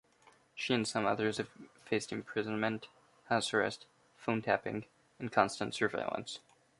She and some others have faced imprisonment, house-arrest, phone-tapping and constant surveillance.